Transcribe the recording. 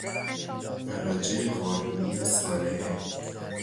مراجع قانونی یا صالحه